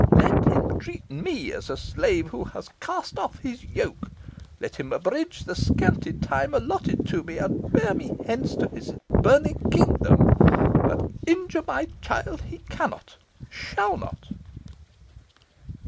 Let him treat me as a slave who has cast off his yoke. Let him abridge the scanty time allotted me, and bear me hence to his burning kingdom; but injure my child, he cannot shall not!"